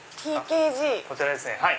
こちらですね。